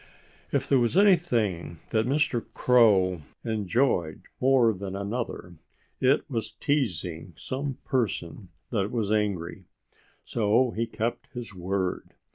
If there was anything that Mr. Crow enjoyed more than another, it was teasing some person that was angry. So he kept his word.